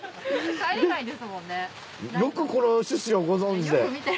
よくこの趣旨をご存じで。